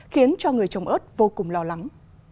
khiến cho người trồng ớt vô cùng lo lắng